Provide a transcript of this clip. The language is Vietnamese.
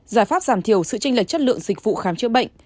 giải pháp giảm thiểu sự tranh lệch chất lượng dịch vụ khám chữa bệnh